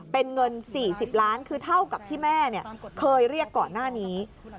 เป็นเงิน๔๐ล้านคือเท่ากับที่แม่เคยเรียกก่อนหน้านี้